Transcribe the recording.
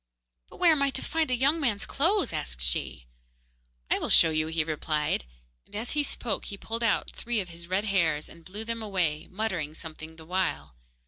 'But where am I to find a young man's clothes?' asked she. 'I will show you,' he replied, and as he spoke he pulled out three of his red hairs and blew them away, muttering something the while.